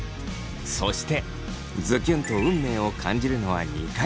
そしてズキュンと運命を感じるのは２回。